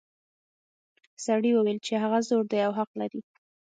سړي وویل چې هغه زوړ دی او حق لري.